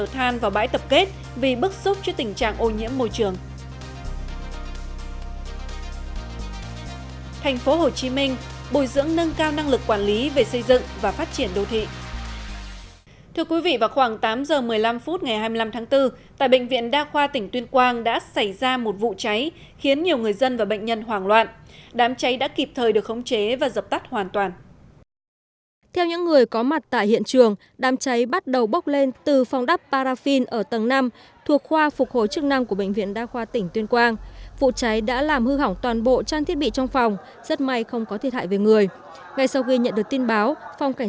tiếp nối chương trình hòa bình người dân chặn đầu xe trở than vào bãi tập kết vì bức xúc trước tình trạng ô nhiễm môi trường